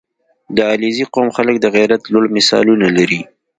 • د علیزي قوم خلک د غیرت لوړ مثالونه لري.